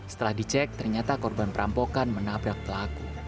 setelah dicek ternyata korban perampokan menabrak pelaku